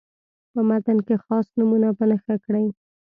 په متن کې خاص نومونه په نښه کړئ.